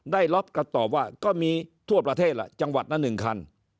ได้รับกระตอบว่าก็มีทั่วประเทศละจังหวัดละ๑คัน